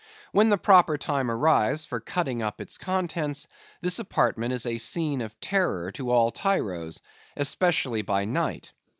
When the proper time arrives for cutting up its contents, this apartment is a scene of terror to all tyros, especially by night.